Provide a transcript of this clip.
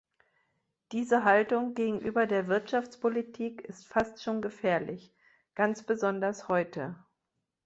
Diese Haltung gegenüber der Wirtschaftspolitik ist fast schon gefährlich, ganz besonders heute.